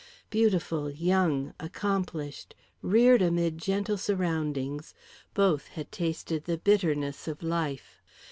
Beautiful, young, accomplished, reared amid gentle surroundings, both had tasted the bitterness of life.